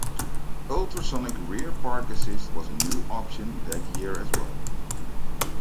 Ultrasonic rear park assist was a new option that year as well.